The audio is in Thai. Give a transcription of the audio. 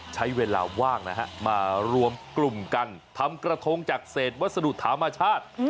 ใช้เวลาว่างนะฮะมารวมกลุ่มกันทำกระทงจากเศษวัสดุธรรมชาติ